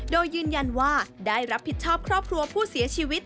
โดยยืนยันว่าได้รับผิดชอบครอบครัวผู้เสียชีวิต